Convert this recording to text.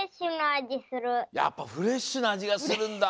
やっぱフレッシュな味がするんだ。